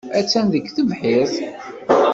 Attan deg tebḥirt.